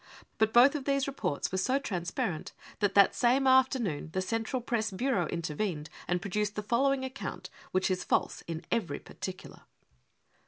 But both these reports were so transparent that that same afternoon the Central Press Bureau intervened and pro duced the following account, which is false in every par ticular.)